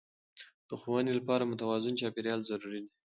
د ښوونې لپاره د متوازن چاپیریال ضروري دی.